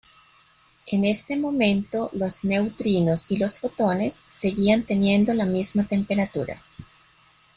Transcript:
En este momento, los neutrinos y los fotones seguían teniendo la misma temperatura.